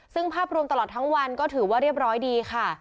ซึ่งภาพรวมตลอดทั้งวันก็ถือว่าเรียบร้อยดีค่ะ